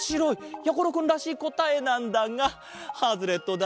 やころくんらしいこたえなんだがハズレットだ。